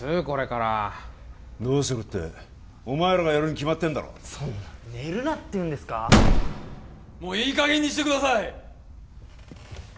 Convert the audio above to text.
これからどうするってお前らがやるに決まってんだろそんな寝るなっていうんですかもういいかげんにしてください！